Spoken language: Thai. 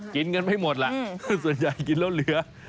กินเงินไม่หมดละส่วนใหญ่กินลนเหลือ